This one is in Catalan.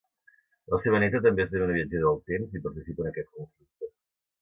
La seva neta també esdevé una viatgera del temps i participa en aquest conflicte.